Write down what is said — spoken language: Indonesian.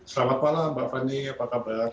selamat malam mbak fanny apa kabar